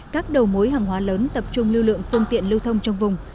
các đầu mối hàng hóa lớn tập trung lưu lượng phương tiện lưu thông trong vùng